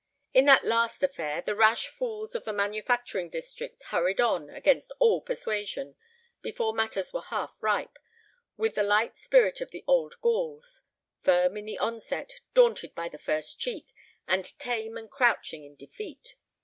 In that last affair, the rash fools of the manufacturing districts hurried on, against all persuasion, before matters were half ripe, with the light spirit of the old Gauls: firm in the onset, daunted by the first cheek, and tame and crouching in defeat.